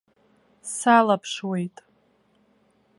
Салаԥшуеит.